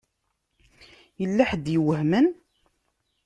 Yella ḥedd yuhmen?